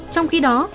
trong khi đó